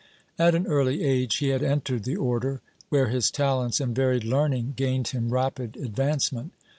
At an early age he had entered the Order, where his talents and varied learning gained him rapid advancement.